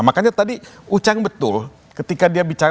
makanya tadi ucang betul ketika dia bicara